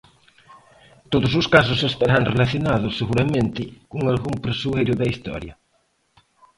Todos os casos estarán relacionados, seguramente, con algún persoeiro da historia.